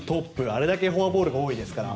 あれだけフォアボールが多いですから。